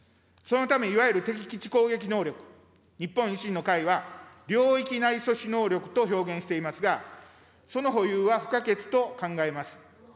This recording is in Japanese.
そのため、いわゆる敵基地攻撃能力、日本維新の会は領域内阻止能力と表現していますが、その保有は不可欠と考えます。